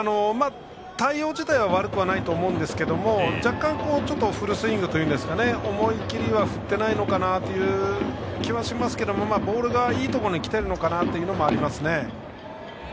対応自体は問題ないと思うんですが若干フルスイングというんですかね思い切り振っていないのかなという気はしますけどボールがいいところにきているのかなというのもありますね。